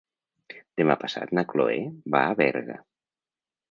Demà passat na Cloè va a Berga.